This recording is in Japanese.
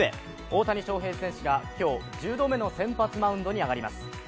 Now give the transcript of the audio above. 大谷翔平選手が今日、１０度目の先発マウンドに上がります。